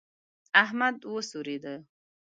احمد وسورېدی.